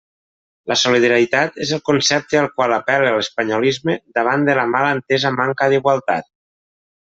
La solidaritat és el concepte al qual apel·la l'espanyolisme davant de la mal entesa manca d'igualtat.